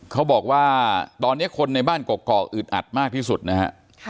เขาบอกว่าตอนนี้คนในบ้านกอกอึดอัดมากที่สุดนะฮะ